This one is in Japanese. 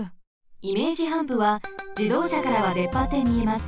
イメージハンプはじどうしゃからはでっぱってみえます。